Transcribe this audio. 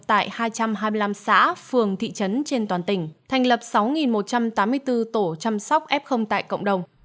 tại hai trăm hai mươi năm xã phường thị trấn trên toàn tỉnh thành lập sáu một trăm tám mươi bốn tổ chăm sóc f tại cộng đồng